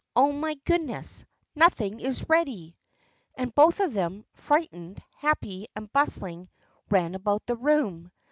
Oh, my goodness, nothing is ready!" And both of them, frightened, happy, and bustling, ran about the room.